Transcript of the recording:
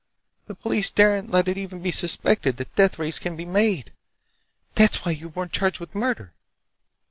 The police daren't let it even be suspected that deathrays can be made! That's why you weren't charged with murder.